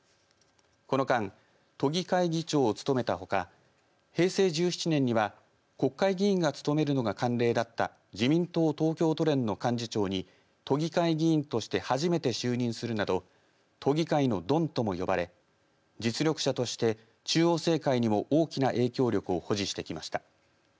この間都議会議長を務めたほか平成１７年には国会議員が務めるのが慣例だった自民党東京都連の幹事長に都議会議員として初めて就任するなど都議会のドンとも呼ばれ実力者として中央政界にも大きな影響力を保持してきました。